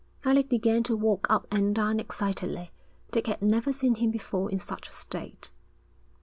Alec began to walk up and down excitedly. Dick had never seen him before in such a state.